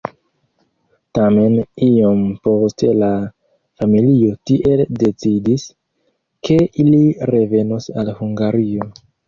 Tamen iom poste la familio tiel decidis, ke ili revenos al Hungario.